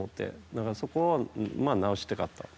だから、そこを直したかった。